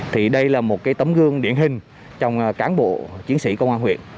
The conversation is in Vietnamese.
thì đây là một cái tấm gương điển hình trong cán bộ chiến sĩ công an huyện